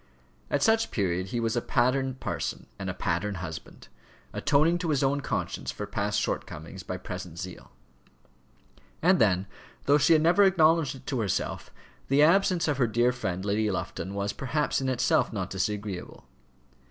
At such period he was a pattern parson and a pattern husband, atoning to his own conscience for past shortcomings by present zeal. And then, though she had never acknowledged it to herself, the absence of her dear friend Lady Lufton was perhaps in itself not disagreeable.